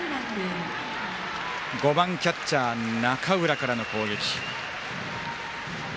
５番キャッチャー、中浦からの攻撃。